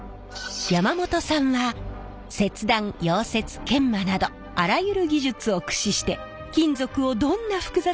山本さんは切断溶接研磨などあらゆる技術を駆使して金属をどんな複雑な形状にでも仕上げます。